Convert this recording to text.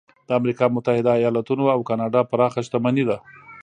د امریکا متحده ایالتونو او کاناډا پراخه شتمني شته.